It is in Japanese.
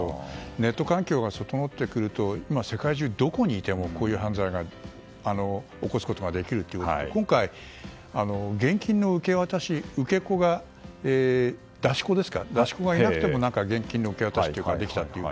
ネット環境が整ってくると今、世界中どこにいてもこういう犯罪を起こすことができるということで今回、現金の受け渡し出し子がいなくても現金の受け渡しができたと。